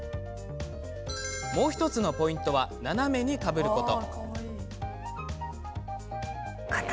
もう１つのポイントが斜めにかぶること。